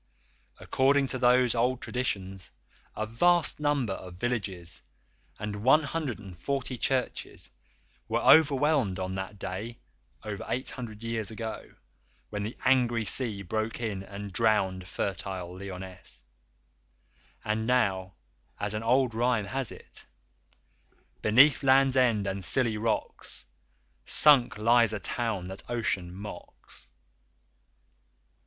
According to those old traditions a vast number of villages and 140 churches were overwhelmed on that day, over eight hundred years ago, when the angry sea broke in and drowned fertile Lyonesse, and now, as an old rhyme has it: "Beneath Land's End and Scilly rocks _Sunk lies a town that Ocean mocks.